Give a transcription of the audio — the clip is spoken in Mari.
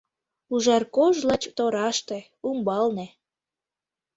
Ужар кож лач тораште, умбалне